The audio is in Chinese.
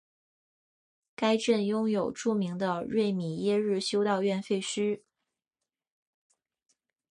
该镇拥有著名的瑞米耶日修道院废墟。